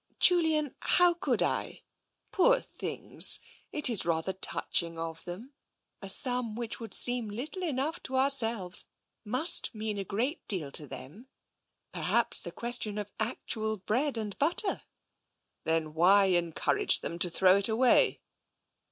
"Julian, how could I? Poor things, it is rather touching of them — a sum which would seem little enough to ourselves, must mean a great deal to them — perhaps a question of actual bread and butter." " Then why encourage them to throw it away